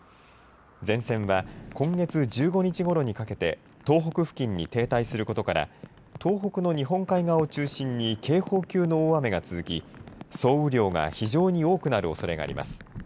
前線は今月１５日ごろにかけて東北付近に停滞することから東北の日本海側を中心に警報級の大雨が続き、総雨量が非常に多くなるおそれがあります。